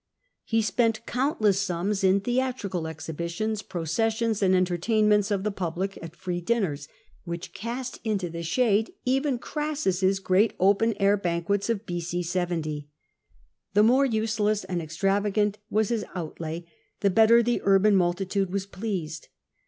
He spent countless sums in theatrical exhibitions, processions, and entertainments of the public at free dinners, which cast into the shade even Crassus's great open air banquets of B.O. 70, The more useless and extravagant was his out lay, the better the urban multitude was pleased.